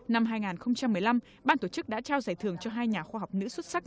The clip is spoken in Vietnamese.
năm hai nghìn một mươi năm ban tổ chức đã trao giải thưởng cho hai nhà khoa học nữ xuất sắc của việt nam